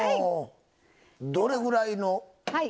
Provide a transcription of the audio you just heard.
どれぐらいの時間？